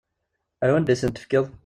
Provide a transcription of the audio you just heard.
Ar wanda i tent-tefkiḍ?